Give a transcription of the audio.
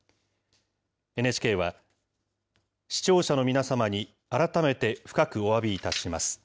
ＮＨＫは、視聴者の皆様に改めて深くおわびいたします。